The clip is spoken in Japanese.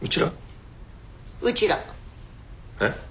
えっ？